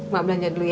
mak belanja dulu ya